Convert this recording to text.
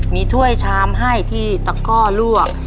มีถ้วยชามให้ที่ตะก้อลวก